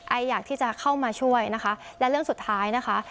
อยากที่จะเข้ามาช่วยนะคะและเรื่องสุดท้ายนะคะ